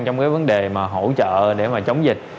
trong vấn đề hỗ trợ để chống dịch